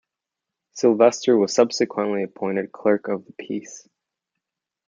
Silvester was subsequently appointed clerk of the peace.